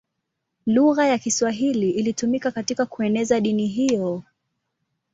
Lugha ya Kiswahili ilitumika katika kueneza dini hiyo.